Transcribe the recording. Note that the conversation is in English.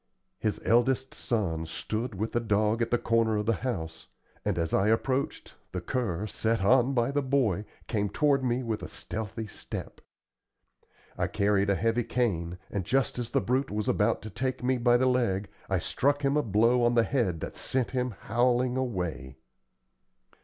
His eldest son stood with the dog at the corner of the house, and as I approached, the cur, set on by the boy, came toward me with a stealthy step. I carried a heavy cane, and just as the brute was about to take me by the leg, I struck him a blow on the head that sent him howling away.